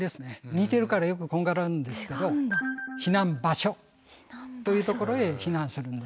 似てるからよくこんがらがるんですけど避難場所というところへ避難するんです。